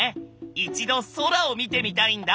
一度空を見てみたいんだ。